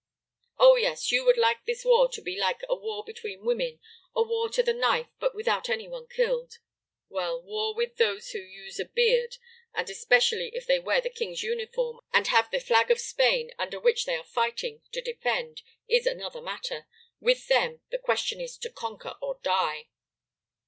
"Oh, yes, you would like this war to be like a war between women; a war to the knife, but without any one killed; well, war with those who use a beard, and especially if they wear the King's uniform and have the flag of Spain, under which they are fighting, to defend, is another matter; with them, the question is to conquer or die."